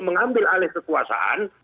mengambil alih kekuasaan